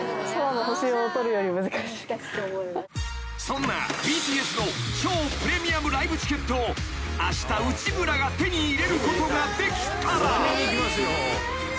［そんなＢＴＳの超プレミアムライブチケットをあした内村が手に入れることができたら］